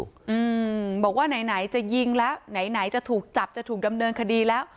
อืมบอกว่าไหนไหนจะยิงแล้วไหนไหนจะถูกจับจะถูกดำเนินคดีแล้ว